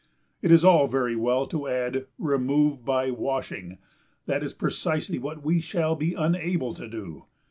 It is all very well to add "remove by washing"; that is precisely what we shall be unable to do.